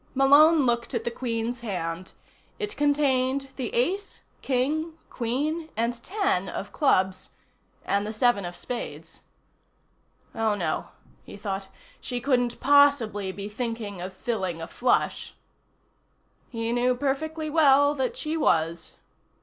Malone looked at the Queen's hand. It contained the Ace, King, Queen and ten of clubs and the seven of spades. Oh, no. He thought. She couldn't possibly be thinking of filling a flush. He knew perfectly well that she was.